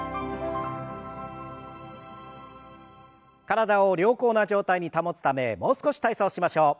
体を良好な状態に保つためもう少し体操しましょう。